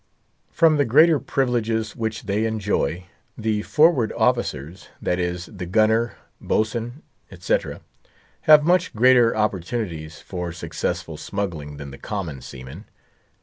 From the greater privileges which they enjoy, the "forward officers," that is, the Gunner, Boatswain, etc., have much greater opportunities for successful smuggling than the common seamen.